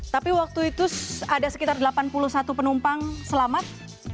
tapi waktu itu ada sekitar delapan puluh satu penumpang selamat